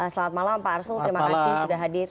selamat malam pak arsul terima kasih sudah hadir